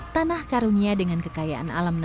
tanah karunia dengan kekayaan alam